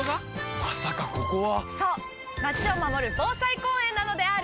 そうまちを守る防災公園なのであーる！